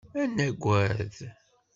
Ad nagad.